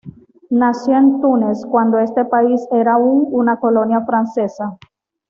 Nació en Túnez, cuando este país era aún una colonia francesa.